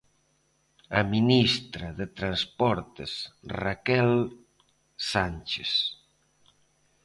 A ministra de Transportes, Raquel Sánchez.